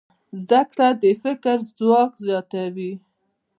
زده کړه د فکر ځواک زیاتوي.